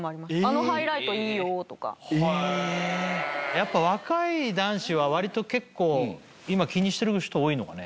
やっぱ若い男子は割と結構今気にしてる人多いのかね？